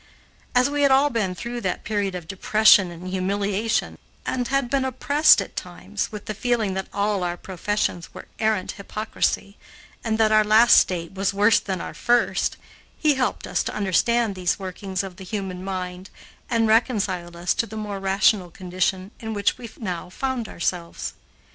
As we had all been through that period of depression and humiliation, and had been oppressed at times with the feeling that all our professions were arrant hypocrisy and that our last state was worse than our first, he helped us to understand these workings of the human mind and reconciled us to the more rational condition in which we now found ourselves.